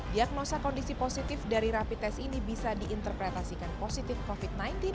diagnosa kondisi positif dari rapi tes ini bisa diinterpretasikan positif covid sembilan belas